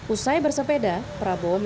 usai bersepeda prabowo menyatakan